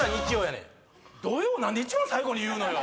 「土曜」何で一番最後に言うのよ？